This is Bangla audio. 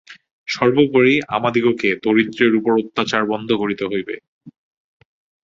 সর্বোপরি আমাদিগকে দরিদ্রের উপর অত্যাচার বন্ধ করিতে হইবে।